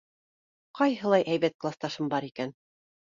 Ҡайһылай һәйбәт класташым бар икән!